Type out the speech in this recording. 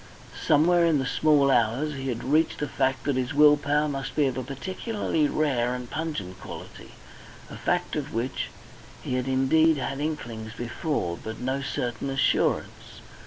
Somewhere in the small hours he had reached the fact that his will power must be of a particularly rare and pungent quality, a fact of which he had indeed had inklings before, but no certain assurance.